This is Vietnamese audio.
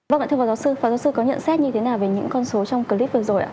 vâng ạ thưa phó giáo sư phó giáo sư có nhận xét như thế nào về những con số trong clip vừa rồi ạ